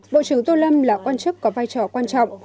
bộ trưởng tô lâm là quan chức có vai trò quan trọng